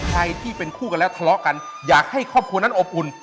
ใครที่เป็นคู่กันแล้วทะเลาะกันอยากให้ครอบครัวนั้นอบอุ่น